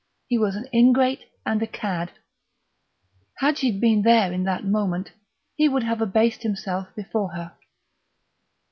He was an ingrate and a cad.... Had she been there in that moment he would have abased himself before her.